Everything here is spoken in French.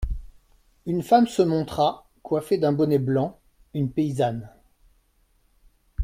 Une femme se montra, coiffée d'un bonnet blanc, une paysanne.